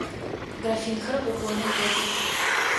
Графинхэр гогоным готых.